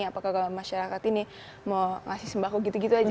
apakah kalau masyarakat ini mau ngasih sembako gitu gitu aja